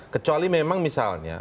kecuali memang misalnya